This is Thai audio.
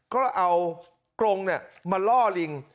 ก็เอากรงมาล่อลิง